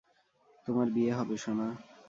তোমার বিয়ে হবে, সোনা।